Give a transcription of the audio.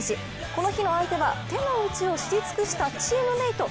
この日の相手は手のうちを知り尽くしたチームメイト。